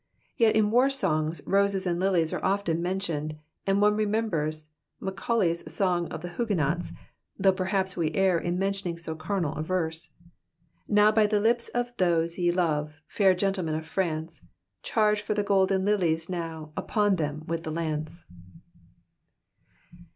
Yet in war songs roses and lilies are often mentioned, and one remembers Macauiay's Song cf the Huguenots, though perhaps we err in menJUofrdng so carnal a verse — Now by the lips qf tho^e ye love^ fair gentlemen of France, Charge for the golden lUieis now, upon them with the lance.''''